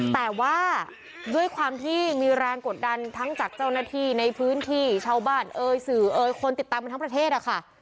แต่ว่าด้วยความที่มีแรงกดดันทั้งจากเจ้าหน้าที่ในพื้นที่ชาวบ้านเอ่ยสื่อเอ่ยคนติดตามกันทั้งประเทศอะค่ะ